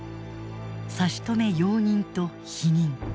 差し止め容認と否認。